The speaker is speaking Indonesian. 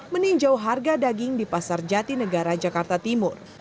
meninjau harga daging di pasar jati negara jakarta timur